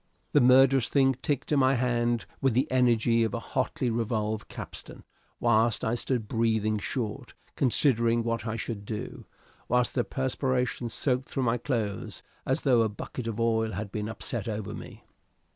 The murderous thing ticked in my hand with the energy of a hotly revolved capstan, whilst I stood breathing short, considering what I should do, whilst the perspiration soaked through my clothes as though a bucket of oil had been upset over me.